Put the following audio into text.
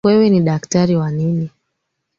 Wewe ni daktari wa nini?